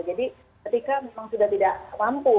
jadi ketika memang sudah tidak mampu